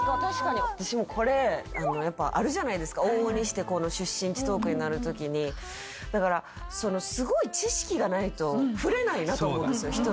確かに私もこれやっぱあるじゃないですか往々にしてこの出身地トークになるときにだからなと思うんですよ